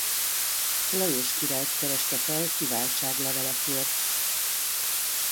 Lajos királyt kereste fel kiváltságlevelekért.